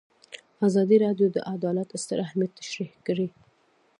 ازادي راډیو د عدالت ستر اهميت تشریح کړی.